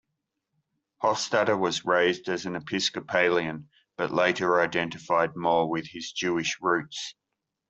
Hofstadter was raised as an Episcopalian but later identified more with his Jewish roots.